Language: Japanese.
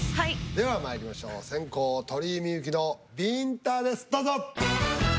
ではまいりましょう先攻鳥居みゆきのびんたですどうぞ。